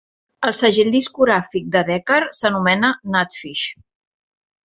El segell discogràfic de Decker s'anomena GnatFish.